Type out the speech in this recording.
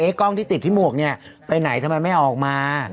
กล้องที่ติดที่หมวกเนี่ยไปไหนทำไมไม่ออกมา